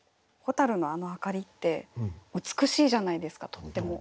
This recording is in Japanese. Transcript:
蛍のあの明かりって美しいじゃないですかとっても。